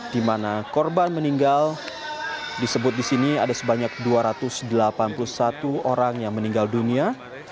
dimana korban meninggal disebut disini ada sebanyak dua ratus delapan puluh satu orang yang meninggal dunia